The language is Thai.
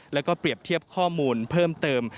แล้วก็เปรียบเทียบข้อมูลเพิ่มเติม